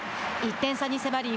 １点差に迫り